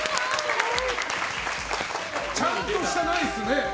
ちゃんとしたナイスね。